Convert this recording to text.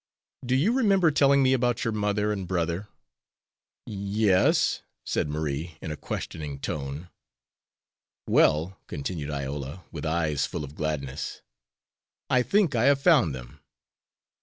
Do you remember telling me about your mother and brother?" "Yes," said Marie, in a questioning tone." "Well," continued Iola, with eyes full of gladness, "I think I have found them."